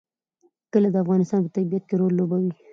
کلي د افغانستان په طبیعت کې رول لوبوي.